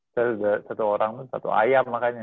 saya udah satu orang satu ayam makannya